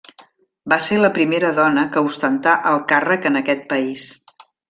Va ser la primera dona que ostentà el càrrec en aquest país.